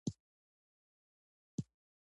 الوتکه د پټ ځایونو څېړلو ته زمینه برابروي.